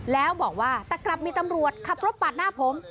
แล้วบอกว่าแต่กลับมีตำรวจขับรถปาดหน้าผม